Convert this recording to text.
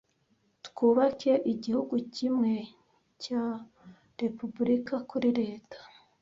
Twubake igihugu kimwe cya Repubulika kuri leta,